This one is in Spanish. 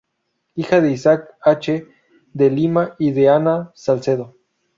Hija de Isaac H. De Lima y de Ana Salcedo.